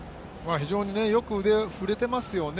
非常によく腕、振れていますよね。